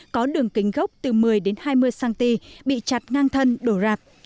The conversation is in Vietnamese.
có đường kính gốc từ một mươi đến hai mươi cm bị chặt ngang thân đổ rạp